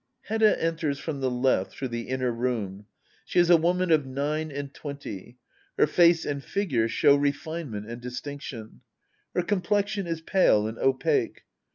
Hedda eiders from the left through the inner room. She is a woman of nine and twenty. Her face and figure show refinement and distiiiction. Her complexion is pale and opaque.